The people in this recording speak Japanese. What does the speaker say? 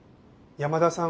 山田さん